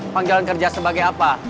panggilan kerja sebagai apa